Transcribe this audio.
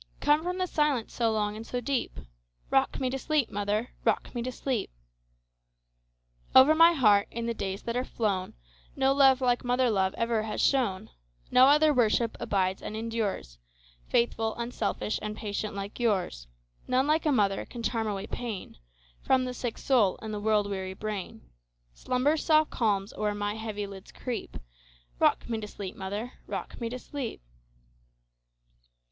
Come from the silence so long and so deep;—Rock me to sleep, mother,—rock me to sleep! Over my heart, in the days that are flown, No love like mother love ever has shone; No other worship abides and endures,—Faithful, unselfish, and patient like yours:None like a mother can charm away painFrom the sick soul and the world weary brain. Slumber's soft calms o'er my heavy lids creep;—Rock me to sleep, mother,—rock me to sleep!